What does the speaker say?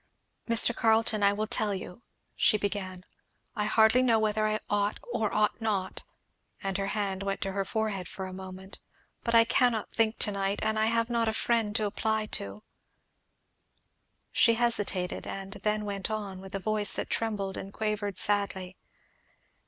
"Mr. Carleton, I will tell you," she began; "I hardly know whether I ought or ought not, " and her hand went to her forehead for a moment, "but I cannot think to night and I have not a friend to apply to " She hesitated; and then went on, with a voice that trembled and quavered sadly.